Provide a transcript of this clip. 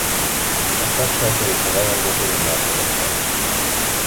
A szaksajtó és rajongók örömmel fogadták.